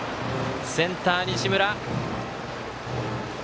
センター、西村。